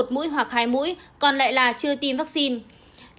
một mũi hoặc hai mũi còn lại là chưa tiêm vaccine